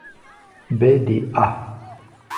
Baie des Ha!